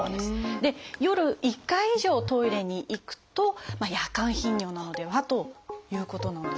で夜１回以上トイレに行くと「夜間頻尿」なのではということなんですよね。